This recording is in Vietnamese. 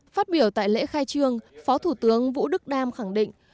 phát biểu tại lễ khai trương phó thủ tướng vũ đức đam khẳng định